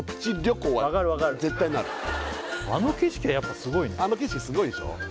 あの景色はやっぱすごいねあの景色すごいでしょ？